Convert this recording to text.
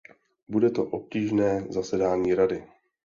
Bude to obtížné zasedání Rady.